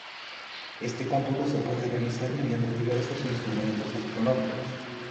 Este cómputo se puede realizar mediante diversos instrumentos astronómicos.